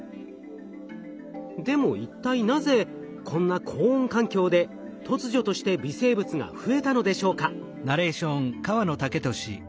でも一体なぜこんな高温環境で突如として微生物が増えたのでしょうか？